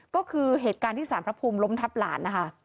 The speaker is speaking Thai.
ก็คือเหตุการณ์ที่สารพระภูมิล้มทับหลานนะคะ